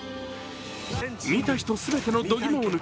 見た人全てのどぎもを抜く